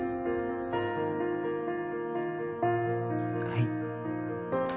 はい。